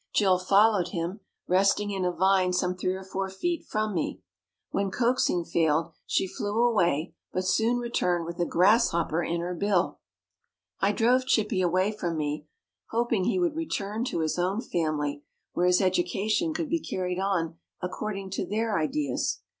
Jill followed him, resting in a vine some three or four feet from me. When coaxing failed she flew away but soon returned with a grasshopper in her bill. I drove Chippy away from me, hoping he would return to his own family, where his education could be carried on according to their ideas.